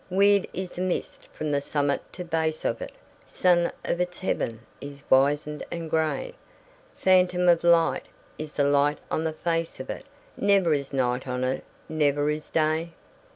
Weird is the mist from the summit to base of it; Sun of its heaven is wizened and grey; Phantom of light is the light on the face of it Never is night on it, never is day!